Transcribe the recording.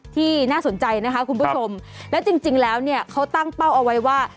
ที่น่าสนใจนะคะคุณผู้ชมแล้วจริงแล้วเนี่ยเขาตั้งเป้าเอาไว้ว่า